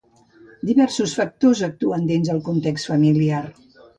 Diversos factors actuen dins el context familiar.